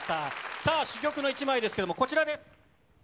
さあ、珠玉の一枚ですけれども、こちらです。